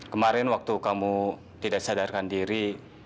kemarin waktu kamu tidak sadarkan diri